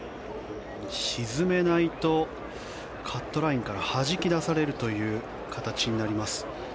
沈めないとカットラインからはじき出されるという形になります。